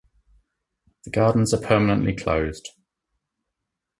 The Gardens are permanently closed.